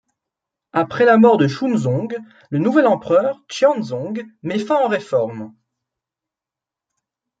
Après la mort de Shunzong, le nouvel empereur, Xianzong, met fin aux réformes.